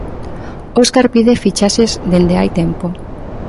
Óscar pide fichaxes dende hai tempo.